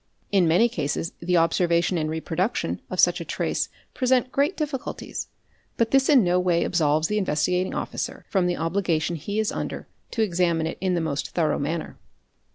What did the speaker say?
In many cases the observation and reproduction of such a trace present great difficulties but this in no way absolves the Investigating Officer from the obligation he is under to exa mine it in the most thorough manner.